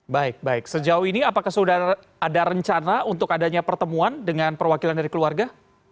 baik baik sejauh ini apakah sudah ada rencana untuk adanya pertemuan dengan perwakilan dari keluarga